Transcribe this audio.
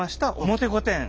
表御殿。